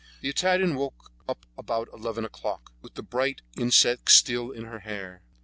The Italian woke up about eleven o'clock, with the bright insect still in her hair.